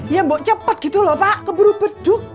ya mbok cepet gitu lho pak keburu buru